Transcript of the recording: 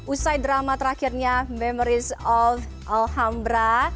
usai drama terakhirnya memories of alhambra